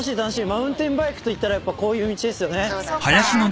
マウンテンバイクといったらこういう道ですよね。